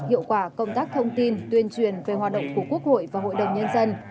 hiệu quả công tác thông tin tuyên truyền về hoạt động của quốc hội và hội đồng nhân dân